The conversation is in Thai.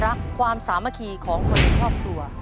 ความสามัคคีของคนในครอบครัว